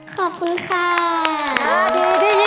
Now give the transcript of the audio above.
ฮ่าฮ่าฮ่า